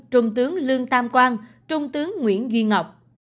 trung tướng lương tam quang trung tướng nguyễn duy ngọc